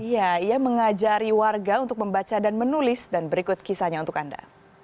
iya ia mengajari warga untuk membaca dan menulis dan berikut kisahnya untuk anda